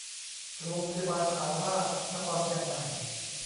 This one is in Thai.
โรงพยาบาลมหาราชนครเชียงใหม่